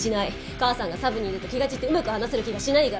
母さんがサブにいると気が散ってうまく話せる気がしないから。